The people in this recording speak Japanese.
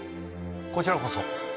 こちらこそ。